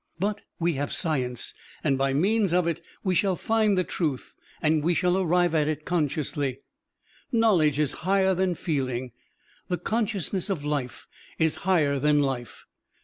But we have science, and by means of it we shall find the truth and we shall arrive at it consciously. Knowledge is higher than feeling, the consciousness of life is higher than life.